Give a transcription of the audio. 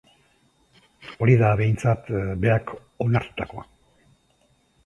Hori da, behintzat, berak onartutakoa.